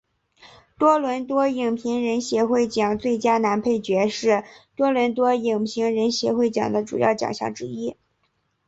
多伦多影评人协会奖最佳男配角是多伦多影评人协会奖的主要奖项之一。